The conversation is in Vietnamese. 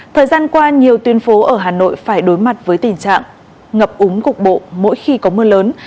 thời gian qua nhiều tuyên phố ở hà nội phải đối mặt với tình trạng ngập úng cục bộ mỗi khi có mưa lớn